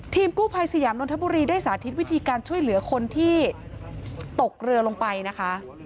ทีมกู้ภัยสยามนนทบุรีได้สาธิตวิธีการช่วยเหลือคนที่ตกเรือลงไปนะคะ